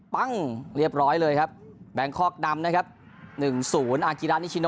ปั๊งเรียบร้อยเลยครับแบงคอกนำนะครับหนึ่งศูนย์อาร์กิราตินิชชิโน่